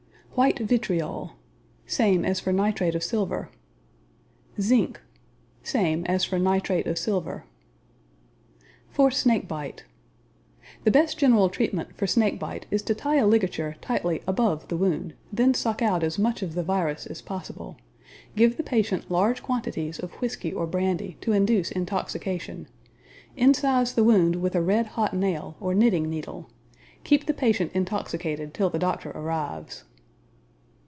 White vitriol Same as for nitrate of silver. Zinc Same as for nitrate of silver. For Snake bite The best general treatment for snake bite is to tie a ligature tightly ABOVE the wound, then suck out as much of the virus as possible. Give the patient large quantities of whisky or brandy, to induce intoxication. Incise the wound with a red hot nail, or knitting needle. Keep the patient intoxicated till the doctor arrives.